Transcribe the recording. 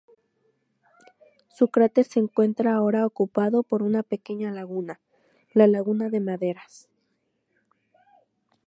Su cráter se encuentra ahora ocupado por una pequeña laguna, la Laguna de Maderas.